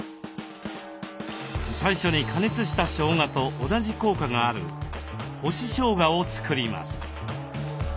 最初に加熱したしょうがと同じ効果がある干ししょうがを作ります。